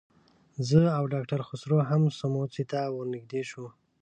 زه او ډاکټر خسرو هم سموڅې ته ورنږدې شو.